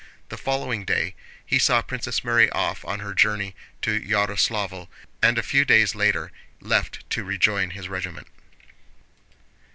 The following day he saw Princess Mary off on her journey to Yaroslávl, and a few days later left to rejoin his regiment.